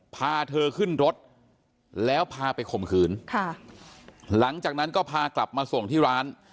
พาเธอขึ้นรถแล้วพาไปข่มขืนค่ะหลังจากนั้นก็พากลับมาส่งที่ร้าน